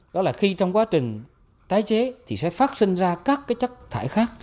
đó là khi trong quá trình tái chế thì sẽ phát sinh ra các cái chất thải khác